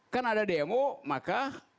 kan ada demo maka